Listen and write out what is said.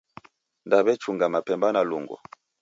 Daw'echunga mapemba na lungo